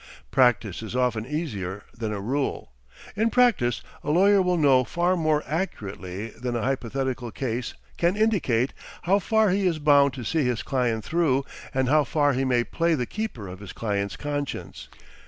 Practice is often easier than a rule. In practice a lawyer will know far more accurately than a hypothetical case can indicate, how far he is bound to see his client through, and how far he may play the keeper of his client's conscience.